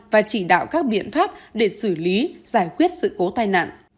và chỉ đạo các biện pháp để xử lý giải quyết sự cố tai nạn